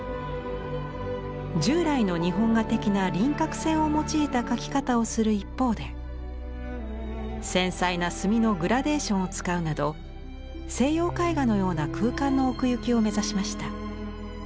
従来の日本画的な輪郭線を用いた描き方をする一方で繊細な墨のグラデーションを使うなど西洋絵画のような空間の奥行きを目指しました。